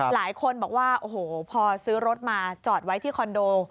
หลายคนบอกว่าโอ้โหพอซื้อรถมาจอดไว้ที่คอนโด